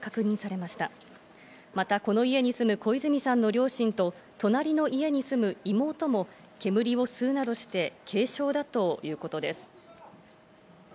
また、この家に住む小泉さんの両親と、隣の家に住む妹も煙を吸うなどして軽傷だということです。